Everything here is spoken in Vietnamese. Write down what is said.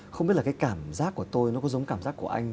không biết là cái cảm giác của tôi nó có giống cảm giác của anh